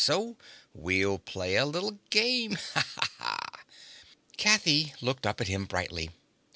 So we'll play a little game. Ha ha." Kathy looked up at him brightly.